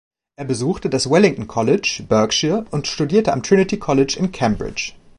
Er besuchte das Wellington College, Berkshire, und studierte am Trinity College in Cambridge.